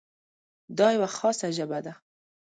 دا یوه خاصه ژبه ده.